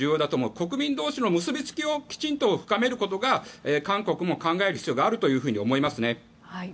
国民同士の結びつきをきちんと深めることが韓国も考える必要があると思いますね。